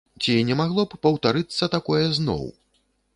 Ці не магло б паўтарыцца такое зноў?